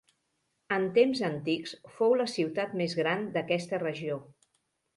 En temps antics fou la ciutat més gran d'aquesta regió.